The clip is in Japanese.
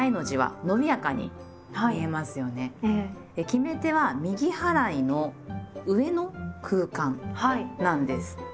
決め手は「右払いの上の空間」なんです。